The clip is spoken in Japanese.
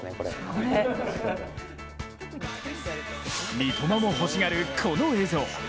三笘も欲しがるこの映像。